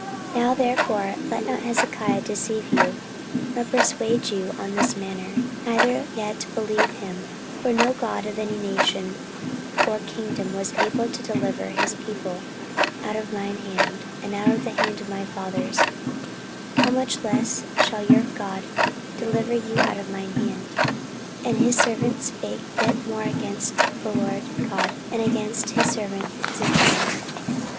14:032:015 Now therefore let not Hezekiah deceive you, nor persuade you on this manner, neither yet believe him: for no god of any nation or kingdom was able to deliver his people out of mine hand, and out of the hand of my fathers: how much less shall your God deliver you out of mine hand? 14:032:016 And his servants spake yet more against the LORD God, and against his servant Hezekiah.